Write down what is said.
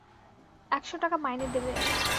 একশো টাকা মাইনে দেবে।